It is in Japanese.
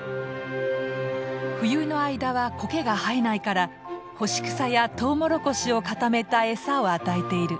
冬の間はコケが生えないから干し草やトウモロコシを固めたエサを与えている。